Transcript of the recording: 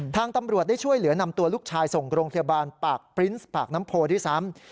ทางตำรวจได้ช่วยเหลือนำตัวลูกชายส่งโรงพยาบาลปากปริ้นต์ปากน้ำโพด้วยซ้ำ